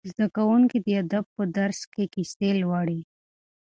زده کوونکي د ادب په درس کې کیسې لوړي.